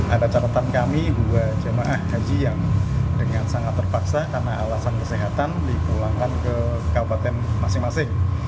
ada catatan kami dua jemaah haji yang dengan sangat terpaksa karena alasan kesehatan dipulangkan ke kabupaten masing masing